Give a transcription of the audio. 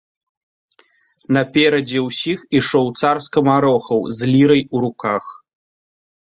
Наперадзе ўсіх ішоў цар скамарохаў з лірай у руках.